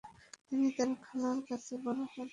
তিনি তার খালার কাছে বড় হন।